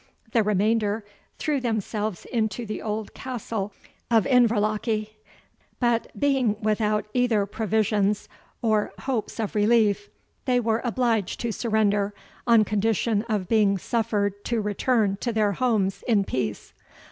The remainder threw themselves into the old Castle of Inverlochy; but being without either provisions or hopes of relief, they were obliged to surrender, on condition of being suffered to return to their homes in peace.